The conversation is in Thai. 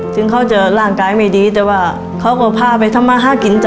ถึงเขาจะร่างกายไม่ดีแต่ว่าเขาก็พาไปทำมาหากิน